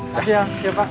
makasih ya pak